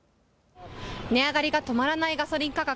値上がりが止まらないガソリン価格。